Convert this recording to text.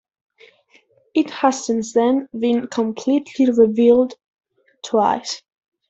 It has since then been completely rebuilt twice.